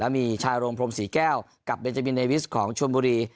มีชายโรงพรมศรีแก้วกับเบนจาบินเนวิสของชวนบุรี